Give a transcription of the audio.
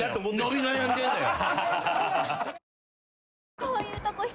伸び悩んでんのよ。